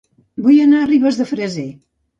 Vull anar a Ribes de Freser